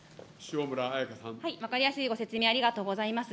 分かりやすいご説明、ありがとうございます。